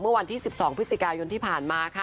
เมื่อวันที่๑๒พฤศจิกายนที่ผ่านมาค่ะ